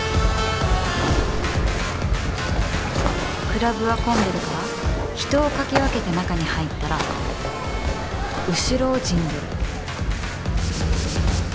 クラブは混んでるから人をかき分けて中に入ったら後ろを陣取る。